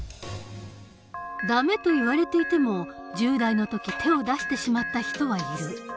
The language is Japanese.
「ダメ」と言われていても１０代の時手を出してしまった人はいる。